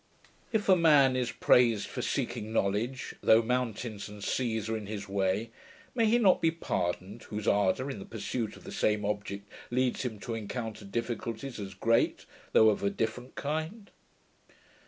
If a man is praised for seeking knowledge, though mountains and seas are in his way, may he not be pardoned, whose ardour, in the pursuit of the same object, leads him to encounter difficulties as great, though of a different kind?